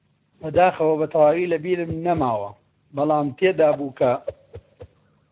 بەداخەوە بەتەواوی لەبیرم نەماوە، بەڵام تێیدابوو کە: